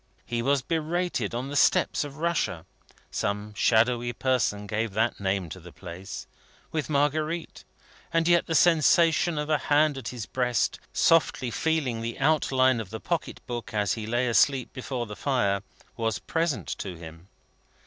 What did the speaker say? He was berated on the steppes of Russia (some shadowy person gave that name to the place) with Marguerite; and yet the sensation of a hand at his breast, softly feeling the outline of the packet book as he lay asleep before the fire, was present to him.